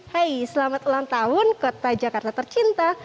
hai selamat ulang tahun kota jakarta tercinta